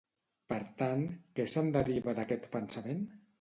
Per tant, què se'n deriva d'aquest pensament?